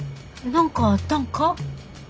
何かあったんか？